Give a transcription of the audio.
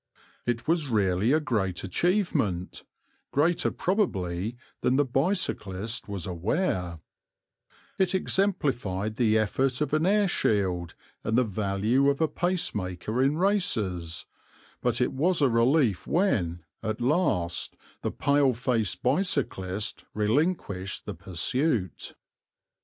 It was really a great achievement, greater probably than the bicyclist was aware; it exemplified the effect of an air shield and the value of a pace maker in races; but it was a relief when, at last, the pale faced bicyclist relinquished the pursuit.